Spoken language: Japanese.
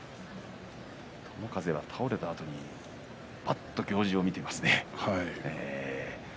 友風は倒れたあとにぱっと行司を見ていますね。